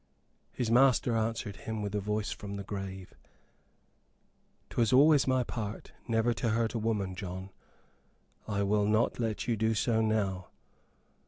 His master answered him with a voice from the grave: "'Twas always my part never to hurt a woman, John. I will not let you do so now.